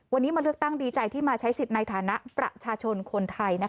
วันนี้มาเลือกตั้งดีใจที่มาใช้สิทธิ์ในฐานะประชาชนคนไทย